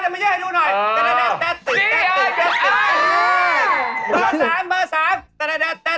เบอร์๓เบอร์๓